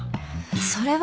それは。